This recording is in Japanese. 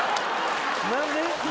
何で？